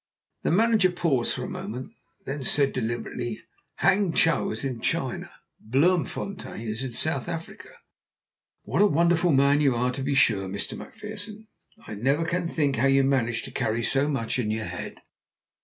The manager paused for a moment, and then said deliberately, "Hang chow is in China, Bloemfontein is in South Africa." "What a wonderful man you are, to be sure, Mr. McPherson! I never can think how you manage to carry so much in your head."